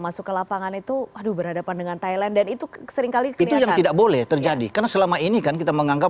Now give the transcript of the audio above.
masuk ke lapangan itu